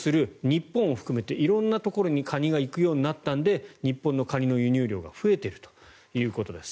日本含めて色んなところにカニが行くようになったので日本のカニの輸入量が増えているということです。